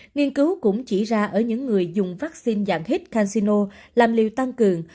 nghiên cứu cũng chỉ ra ở những người dùng vaccine dạng hít casino làm liều tăng cường